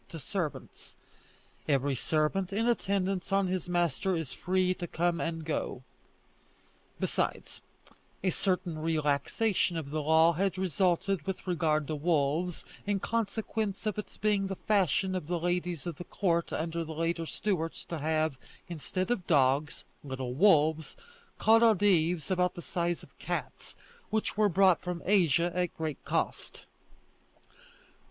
to servants: "Every servant in attendance on his master is free to come and go." Besides, a certain relaxation of the law had resulted with regard to wolves, in consequence of its being the fashion of the ladies of the Court, under the later Stuarts, to have, instead of dogs, little wolves, called adives, about the size of cats, which were brought from Asia at great cost.